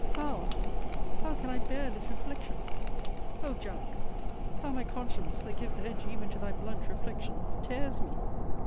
How, how, can I bear this reflection! O Jack! how my conscience, that gives edge even to thy blunt reflections, tears me!